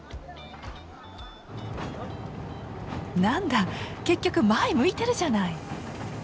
なんだ結局前向いてるじゃない！